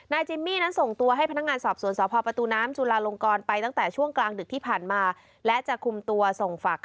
นายจิมมี่นั้นส่งตัวให้พนักงานสอบสวนสภาพประตูน้ำจุฬาลงกรไปตั้งแต่ช่วงกลางดึกที่ผ่านมา